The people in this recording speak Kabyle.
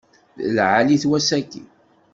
D lɛali-t wass-aki.